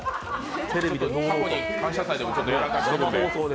過去に「感謝祭」でもやらかしてるんで。